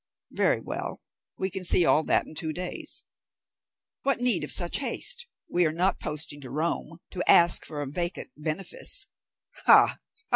"Very well, we can see all that in two days." "What need of such haste? We are not posting to Rome to ask for a vacant benefice." "Ha!